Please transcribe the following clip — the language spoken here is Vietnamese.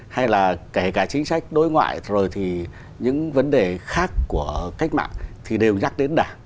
hay là kể cả chính sách đối ngoại rồi thì những vấn đề khác của cách mạng thì đều nhắc đến đảng